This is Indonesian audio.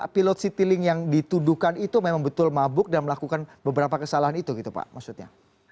pilot citylink yang dituduhkan itu memang betul mabuk dan melakukan beberapa kesalahan itu gitu pak maksudnya